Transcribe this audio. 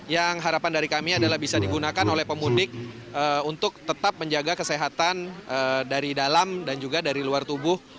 yang harapan dari kami adalah bisa digunakan oleh pemudik untuk tetap menjaga kesehatan dari dalam dan juga dari luar tubuh